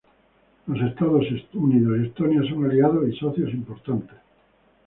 Los Estados Unidos y Estonia son aliados y socios importantes.